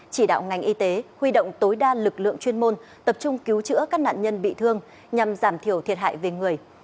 chỉ đạo ngành y tế huy động tối đa lực lượng chuyên môn tập trung cứu chữa các nạn nhân bị thương nhằm giảm thiểu thiệt hại về người